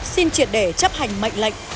xin triệt để chấp hành mệnh lệnh